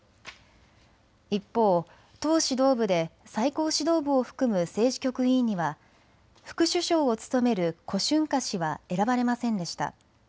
一方、党指導部で最高指導部を含む政治局委員には副首相を務める胡春華氏は選ばれませんでした。